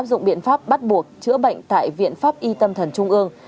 dụng biện pháp bắt buộc chữa bệnh tại viện pháp y tâm thần trung ương